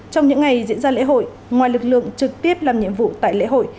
trong những ngày diễn ra lễ hội ngoài lực lượng trực tiếp làm nhiệm vụ tại lễ hội